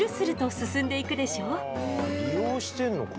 利用してんのか。